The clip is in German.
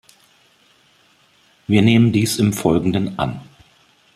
Wir nehmen dies im Folgenden an.